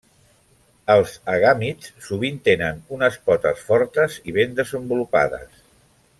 Els agàmids sovint tenen unes potes fortes i ben desenvolupades.